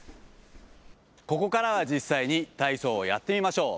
ここからは実際に体操をやってみましょう。